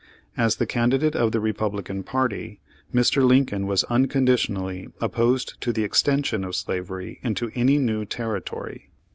As the candidate of the Republican Page Thirty uine Page Forty party Mr. Lincoln was unconditionally opposed to the extension of slavery into any new territory.